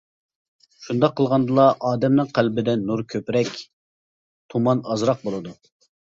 شۇنداق قىلغاندىلا ئادەمنىڭ قەلبىدە نۇر كۆپرەك، تۇمان ئازراق بولىدۇ.